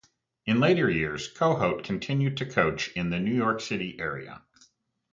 In later years, Kohout continued to coach in the New York City area.